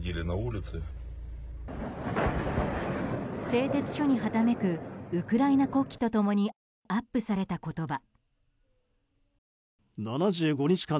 製鉄所にはためくウクライナ国旗と共にアップされた言葉。